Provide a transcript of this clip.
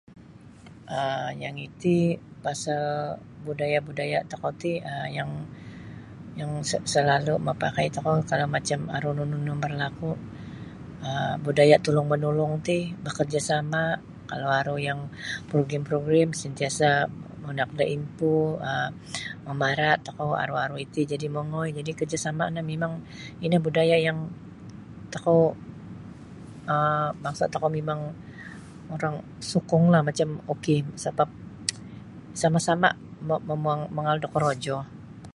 um Yang iti pasal budaya-budaya tokou ti um yang yang salalu mapakai tokou kalau macam aru nunu-nunu berlaku um budaya tulung-manulung ti bakarjasama kalau aru yang program-program santiasa manaak da info um mamara tokou aru aru iti jadi mongoi jadi karjasama no mimang ino budaya yang tokou um bangsa tokou mimang orang sukung lah macam ok sabab sama-sama mau ma-mang-mangaal da korojo.